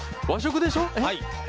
和食でしょ？